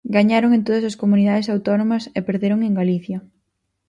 Gañaron en todas as comunidades autónomas e perderon en Galicia.